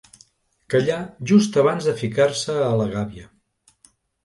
Callà just abans de ficar-se a la gàbia.